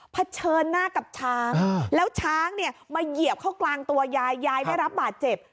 เฉินหน้ากับช้างแล้วช้างเนี่ยมาเหยียบเข้ากลางตัวยายยายได้รับบาดเจ็บ